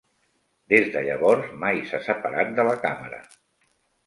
Des de llavors, mai s'ha separat de la càmera.